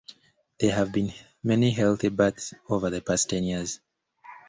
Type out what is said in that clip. There have been many healthy births over the past ten years.